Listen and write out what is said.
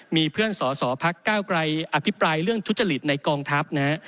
มีเพื่อนสอสอพักก้าวไรอภิปรายเรื่องทุจริตในกองทัพนะฮะ